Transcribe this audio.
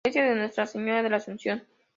Iglesia de Nuestra Señora de la Asunción